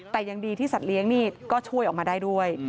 แต่ยังดีที่สัตว์เลี้ยงนี่ก็ช่วยออกมาได้ด้วย